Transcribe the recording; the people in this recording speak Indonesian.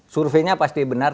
surveinya pasti benar